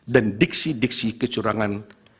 dan diksi diksi kecurangan